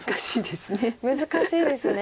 難しいですね。